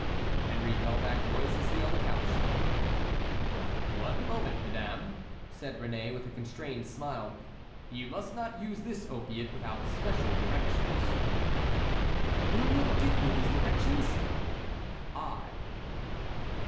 Henry fell back noiselessly on the couch. "One moment, madame," said Réné, with a constrained smile, "you must not use this opiate without special directions." "Who will give me these directions?" "I."